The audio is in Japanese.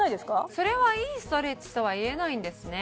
それはいいストレッチとはいえないんですね